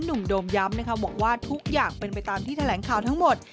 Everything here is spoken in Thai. หนุ่มโดมย้ำว่าทุกอย่างเป็นไปตามที่แถลงข่าวทั้งหมด